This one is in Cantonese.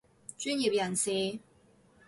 專業人士